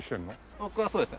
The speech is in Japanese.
僕はそうですね